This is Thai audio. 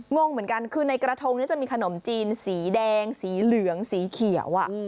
งงเหมือนกันคือในกระทงจะมีขนมจีนสีแดงสีเหลืองสีเขียว